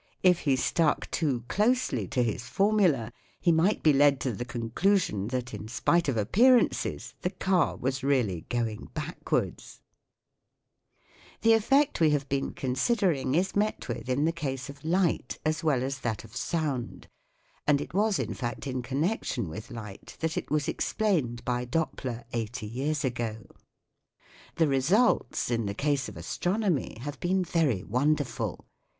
If he stuck too closely to his formula he might be led to the conclusion that, in spite of appearances, the car was really going backwards ! The effect we have been con sidering is met with in the case of light as well as that of sound ; and it was in fact in connection with light that it was explained by Doppler eighty years ago. The results in the case of astron omy have been very wonderful